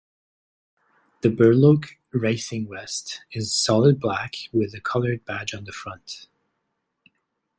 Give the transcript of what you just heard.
The Burloak racing vest is solid black with a coloured badge on the front.